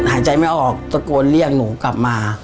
หายใจไม่ออกตะโกนเรียกหนูกลับมา